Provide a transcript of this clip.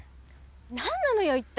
何なのよ一体！